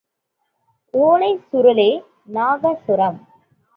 ஓலைச் சுருளே nagaswaram.